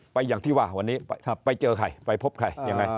อย่างที่ว่าวันนี้ไปเจอใครไปพบใครยังไง